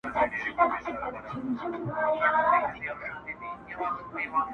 له هر چا یې پټه کړې مدعا وه -